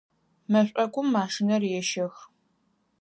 Мэшӏокум машинэхэр ещэх.